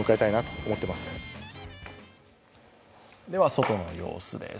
外の様子です。